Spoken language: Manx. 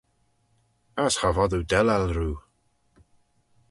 As cha vod oo dellal roo.